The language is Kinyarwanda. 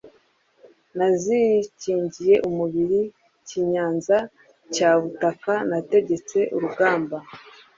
nazikingiye umubiri Kinyanza cya Butaka nategetse urugamba